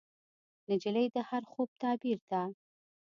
نجلۍ د هر خوب تعبیر ده.